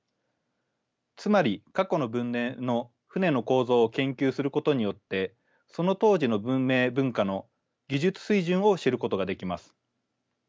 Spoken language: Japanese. つまり過去の文明の船の構造を研究することによってその当時の文明文化の技術水準を知ることができます。